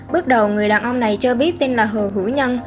bước đầu người đàn ông này cho biết tin là hồ hữu nhân